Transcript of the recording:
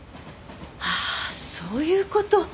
ああそういう事。